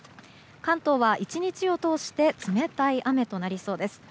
関東は、１日を通して冷たい雨となりそうです。